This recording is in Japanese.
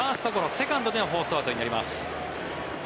セカンドでのフォースアウトになります。